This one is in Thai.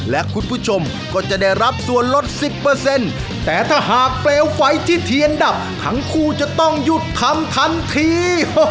และคุณผู้ชมก็จะได้รับส่วนลด๑๐แต่ถ้าหากเปลวไฟที่เทียนดับทั้งคู่จะต้องหยุดทำทันที